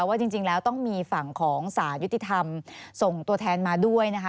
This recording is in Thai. ว่าจริงแล้วต้องมีฝั่งของสารยุติธรรมส่งตัวแทนมาด้วยนะคะ